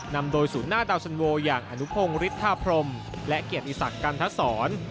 นำโดยศูนย์หน้าดาวสันโวอย่างอนุพงศ์ฤทธาพรมและเกียรติศักดิ์กันทศร